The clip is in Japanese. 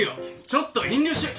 ちょっとは遠慮しろ！